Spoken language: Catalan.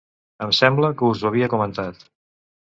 Em sembla que us ho havia comentat.